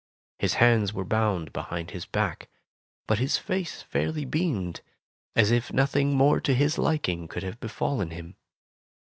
His hands were bound behind his back, but his face fairly beamed, as if nothing more to his liking could have befallen him.